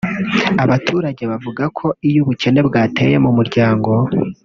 Abaturage bavuga ko iyo ubukene bwateye mu muryango